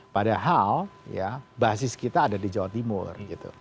padahal basis kita ada di jawa timur